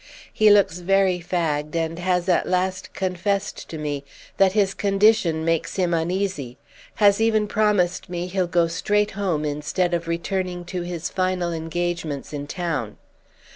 He looks very fagged and has at last confessed to me that his condition makes him uneasy—has even promised me he'll go straight home instead of returning to his final engagements in town.